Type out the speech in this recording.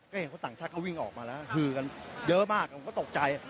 ก็เห็นว่าต่างชาติเขาวิ่งออกมาแล้วฮือกันเยอะมากผมก็ตกใจ